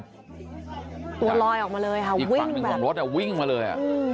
อีกฝั่งหนึ่งของรถอ่ะวิ่งมาเลย